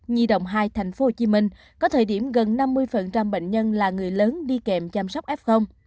nhi đồng hai tp hcm có thời điểm gần năm mươi bệnh nhân là người lớn đi kèm chăm sóc f